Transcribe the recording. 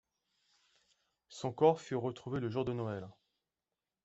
Son corps fut retrouvé le jour de Noël.